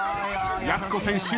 やす子選手。